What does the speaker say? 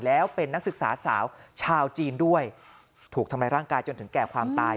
แล้วเป็นนักศึกษาสาวชาวจีนด้วยถูกทำร้ายร่างกายจนถึงแก่ความตาย